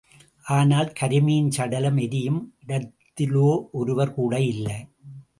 ஆனால், கருமியின் சடலம் எரியும் இடத்திலோ ஒருவர் கூட இல்லை.